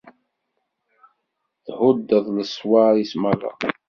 Thuddeḍ leṣwar-is merra.